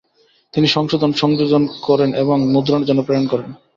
তিনি সংশোধন ও সংযোজন করেন এবং মুদ্রণের জন্য প্রেরণ করেন।